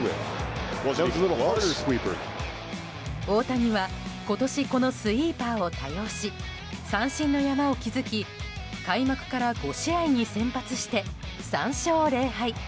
大谷は今年このスイーパーを多用し三振の山を築き開幕から５試合に先発して３勝０敗。